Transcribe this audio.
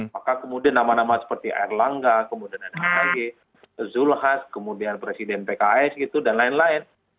maka kemudian nama nama seperti erlangga kemudian ada ag zulhas kemudian presiden pks gitu dan lain lain